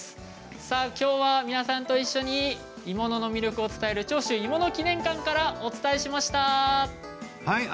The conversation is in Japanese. きょうは皆さんと一緒に鋳物の魅力を伝える長州鋳物記念館からお伝えしました。